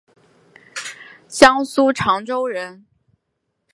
江苏长洲人。